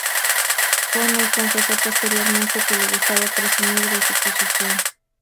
Hoynes confesó posteriormente que le gustaba presumir de su posición.